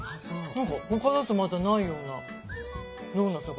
何か他だとまたないようなドーナツ。